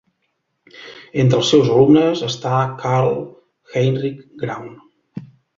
Entre els seus alumnes està Carl Heinrich Graun.